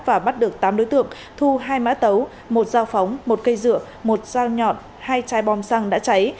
và bắt được tám đối tượng thu hai mã tấu một dao phóng một cây dựa một dao nhọn hai chai bom xăng đã cháy